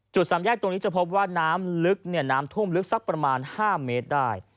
จุดสามแยกตรงนี้จะพบว่าน้ำถุ่มลึกประมาณ๕เมตรได้